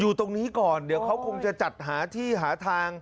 อยู่ตรงนี้ก่อนเดี๋ยวเขาคงจะจัดหาที่หาทาง